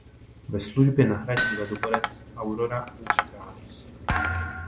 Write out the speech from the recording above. Ve službě nahradí ledoborec "Aurora Australis".